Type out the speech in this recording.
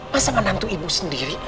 masa menantu ibu sendiri